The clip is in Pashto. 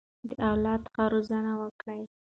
د اولاد ښه روزنه وکړئ.